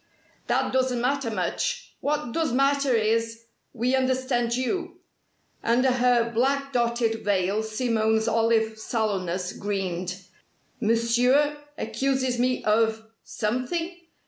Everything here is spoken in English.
"That doesn't matter much. What does matter is, we understand you." Under her black dotted veil Simone's olive sallowness greened. "Monsieur accuses me of something?"